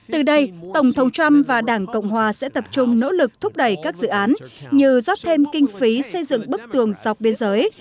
từ đây tổng thống trump và đảng cộng hòa sẽ tập trung nỗ lực thúc đẩy các dự án như rót thêm kinh phí xây dựng bức tường dọc biên giới